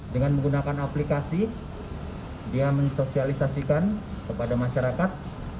dengan menggunakan aplikasi dia mensosialisasikan kepada masyarakat